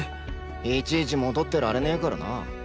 いちいち戻ってられねぇからな。